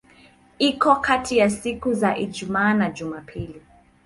Iko kati ya siku za Ijumaa na Jumapili.